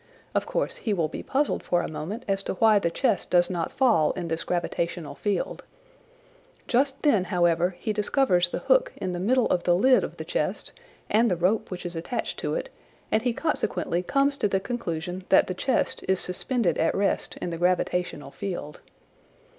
Of course he will be puzzled for a moment as to why the chest does not fall in this gravitational field. just then, however, he discovers the hook in the middle of the lid of the chest and the rope which is attached to it, and he consequently comes to the conclusion that the chest is suspended at rest in the gravitational field.